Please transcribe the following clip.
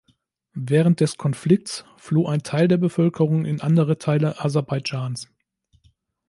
Während des Konflikts floh ein Teil der Bevölkerung in andere Teile Aserbaidschans.